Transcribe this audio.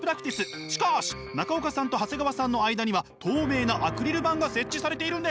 しかし中岡さんと長谷川さんの間には透明なアクリル板が設置されているんです。